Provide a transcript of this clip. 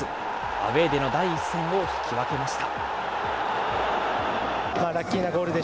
アウエーでの第１戦を引き分けました。